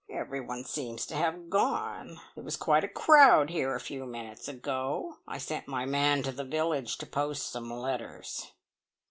"Everyone seems to have gone. There was quite a crowd here a few minutes ago. I sent my man to the village to post some letters."